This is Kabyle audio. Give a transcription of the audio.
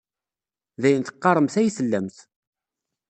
D ayen teqqaremt ay tellamt.